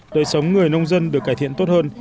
đời sống người nông dân được cải thiện tốt hơn